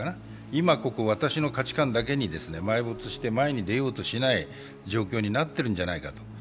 「今、ここ、私」の価値観だけに埋没して前に出ようとしない状況になってるんじゃないかと。